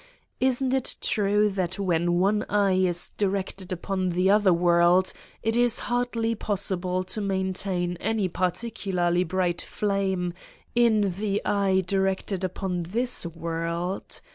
Isn't it true that when one eye is directed upon the other world, it is hardly possible to maintain any particularly bright flame in the eye directed upon this world?